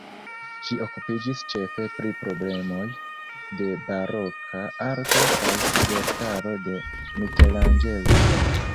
Ŝi okupiĝis ĉefe pri problemoj de baroka arto kaj verkaro de Mikelanĝelo.